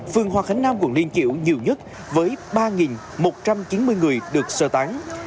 phường hòa khánh nam quận niên chiểu nhiều nhất với ba một trăm chín mươi người được sơ tán